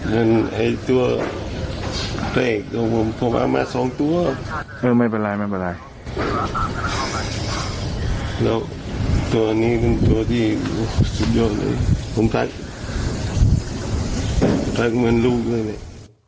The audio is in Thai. เฮ้ยตัวนี้เป็นตัวที่สุดยอดเลยผมรักเหมือนลูกด้วยเลย